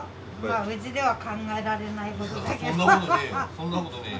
そんなことねえよ。